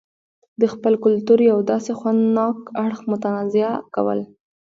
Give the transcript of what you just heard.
دخپل کلتور يو داسې خوند ناک اړخ متنازعه کول